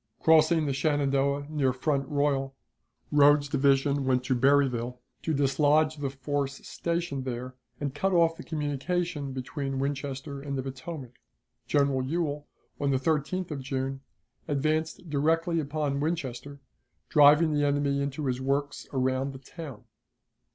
Crossing the Shenandoah near Front Royal, Rodes's division went to Berryville to dislodge the force stationed there, and cut off the communication between Winchester and the Potomac. General Ewell, on the 13th of June, advanced directly upon Winchester, driving the enemy into his works around the town.